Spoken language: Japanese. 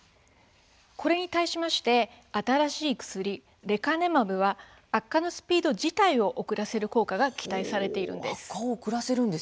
これに対しまして新しい薬、レカネマブは悪化のスピード自体を遅らせる効果が期待されているんです。